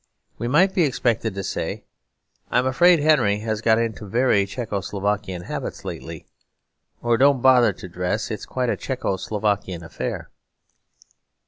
We might be expected to say, 'I'm afraid Henry has got into very Czecho Slovakian habits lately,' or 'Don't bother to dress; it's quite a Czecho Slovakian affair.'